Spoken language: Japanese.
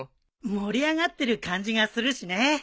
盛り上がってる感じがするしね。